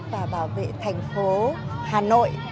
và bảo vệ thành phố hà nội